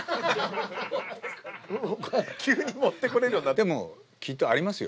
でもきっとありますよ